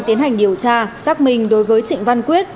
tiến hành điều tra xác minh đối với trịnh văn quyết